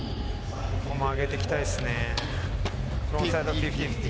上げていきたいですね。